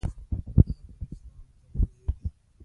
دا پر اسلام توانایۍ ده.